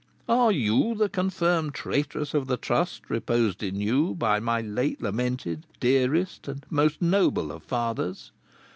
Are you the confirmed traitoress of the trust reposed in you by my late lamented, dearest, and most noble of fathers?